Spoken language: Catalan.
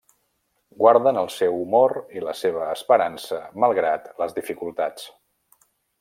Guarden el seu humor i la seva esperança malgrat les dificultats.